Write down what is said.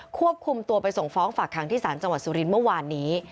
ควบคุมตัวไปส่งฟ้องฝากคังที่ศาลจังหวัดสุรินทร์เมื่อวานนี้